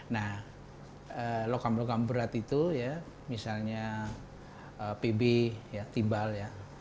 nah lokam lokam berat itu ya misalnya pb ya timbal ya